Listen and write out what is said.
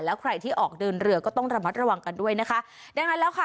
แล้วใครที่ออกเดินเรือก็ต้องระมัดระวังกันด้วยนะคะดังนั้นแล้วค่ะ